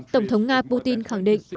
tổng thống nga putin khẳng định